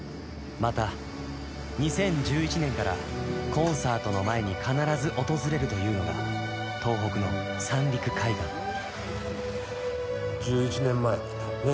また２０１１年からコンサートの前に必ず訪れるというのが東北の三陸海岸はい。